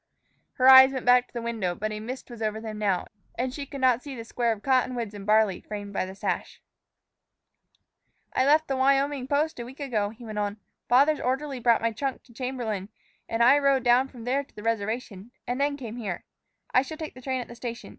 Her eyes went back to the window, but a mist was over them now, and she could not see the square of cottonwoods and barley framed by the sash. "I left the Wyoming post a week ago," he went on. "Father's orderly brought my trunk to Chamberlain, and I rode down from there to the reservation and then came here. I shall take the train at the station.